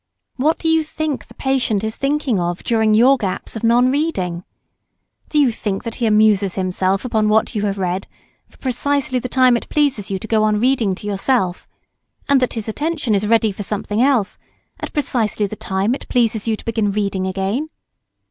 What do you think the patient is thinking of during your gaps of non reading? Do you think that he amuses himself upon what you have read for precisely the time it pleases you to go on reading to yourself, and that his attention is ready for something else at precisely the time it pleases you to begin reading again?